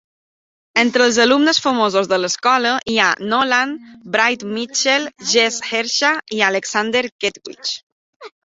Entre els alumnes famosos de l'escola hi ha Nolan Bright-Mitchel, Jesse Hersha i Alexander Kettwich.